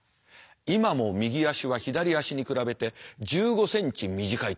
今も右足は左足に比べて１５ｃｍ短いという。